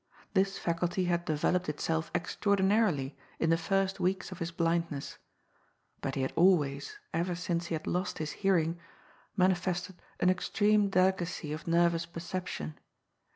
This faculty had deyeloped STEPMOTHEBS. 63 itself extraordinarily in tbe first weeks of his blindness ; but he had always, ever since he had lost his hearing, mani'> f ested an extreme delicacy of nervous perception.